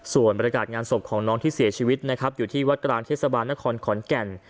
ส่วนบรรยากาศงานศพของน้องที่เสียชีวิตนะครับอยู่ที่วัดกลางเทศบาลนครขอนแก่น